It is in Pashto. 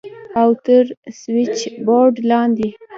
او تر سوېچبورډ لاندې.